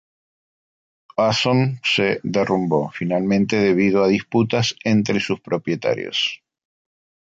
Awesome se derrumbó finalmente debido a disputas entre sus propietarios.